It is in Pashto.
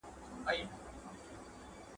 که ته تمرین وکړي نو ښه پروګرامر به سي.